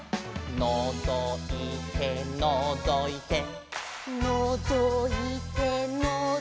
「のぞいてのぞいて」「のぞいてのぞいて」